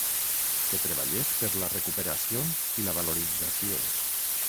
que treballés per la recuperació i la valorització